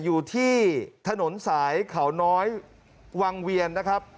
อยู่ที่ถนนสายเขาน้อยวังเวียนนะครับ